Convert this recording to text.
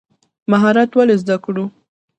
مهارت ولې زده کړو؟